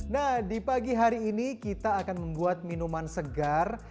nah di pagi hari ini kita akan membuat minuman segar